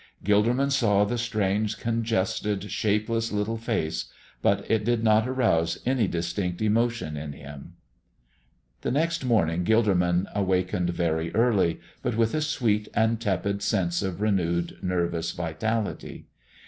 Gilderman saw the strange, congested, shapeless little face, but it did not arouse any distinct emotion in him. The next morning Gilderman awakened very early, but with a sweet and tepid sense of renewed nervous vitality.